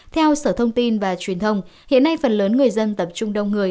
theo sở thông tin và truyền thông hiện nay phần lớn người dân tập trung đông người